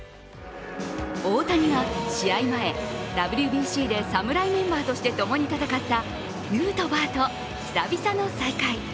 大谷は試合前、ＷＢＣで侍メンバーとして共に戦ったヌートバーと久々の再会。